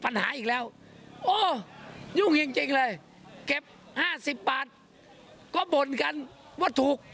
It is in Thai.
อีกแล้วโอ้ยุ่งจริงเลยเก็บ๕๐บาทก็บ่นกันว่าถูก